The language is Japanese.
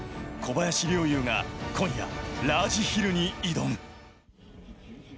小林陵侑が今夜、ラージヒルに挑む。